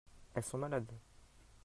Elles sont malades.